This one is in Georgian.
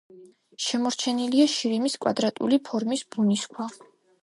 შემორჩენილია შირიმის კვადრატული ფორმის ბუნის ქვა.